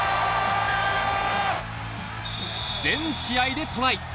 全試合でトライ！